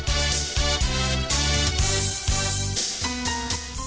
terima kasih kepada anda yang tetap menonton